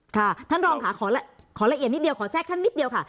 ค่ะท่านรองค่ะขอละเอียดนิดเดียวขอแทรกท่านนิดเดียวค่ะ